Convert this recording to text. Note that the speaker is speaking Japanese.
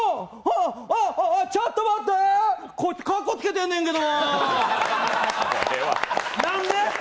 ちょっと待って、こいつかっこつけてねんけど。